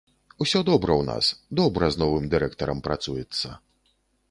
Усё добра ў нас, добра з новым дырэктарам працуецца.